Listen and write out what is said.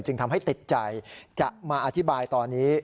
จึงทำให้ติดใจจะมาอธิบายตอนนี้